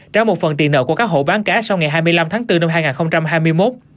trả một phần tiền nợ của các hộ bán cá sau ngày hai mươi năm tháng bốn năm hai nghìn hai mươi một